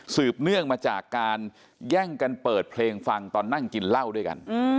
เนื่องมาจากการแย่งกันเปิดเพลงฟังตอนนั่งกินเหล้าด้วยกัน